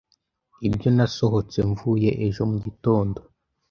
Ibyo nasohotse mvuye ejo mugitondo